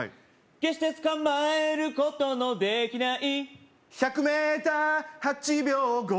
決して捕まえることの出来ない１００メーター８秒５８